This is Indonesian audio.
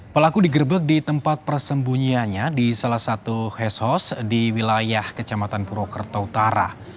pelaku digrebek di tempat persembunyiannya di salah satu hes house di wilayah kecamatan purwokerto utara